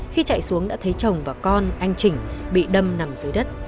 khi chạy xuống đã thấy chồng và con anh trỉnh bị đâm nặng